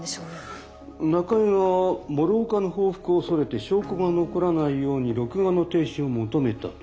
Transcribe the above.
中江が諸岡の報復を恐れて証拠が残らないように録画の停止を求めたと。